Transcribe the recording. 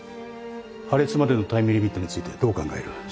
破裂までのタイムリミットについてどう考える？